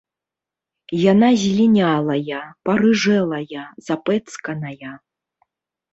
Яна злінялая, парыжэлая, запэцканая.